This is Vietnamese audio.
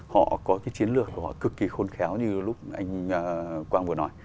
họ có cái chiến lược họ cực kỳ khôn khéo như lúc anh quang vừa nói